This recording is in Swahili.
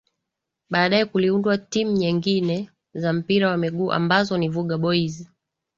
Baadae kuliundwa timu nyengine za mpira wa miguu ambazo ni Vuga Boys